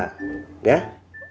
oh nanti jatuh